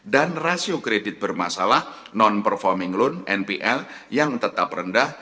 dan rasio kredit bermasalah non performing loan npl yang tetap rendah